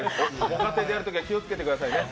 ご家庭でやるときは気をつけてくださいね。